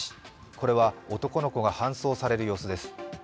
これは男の子が搬送される様子です。